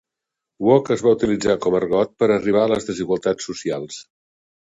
Woke es va utilitzar com a argot per arribar a les desigualtats socials.